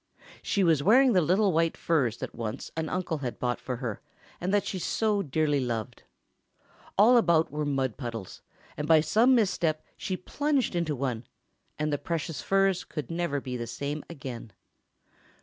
She was wearing the little white furs that once an uncle had bought for her, and that she so dearly loved. All about were mud puddles, and by some misstep she plunged into one, and the precious furs could never be the same again.